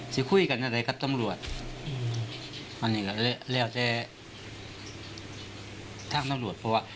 ที่คุยกันอย่างใดกับตำรวจอืมอันนี้ก็แล้วแต่ทางตำรวจเพราะว่า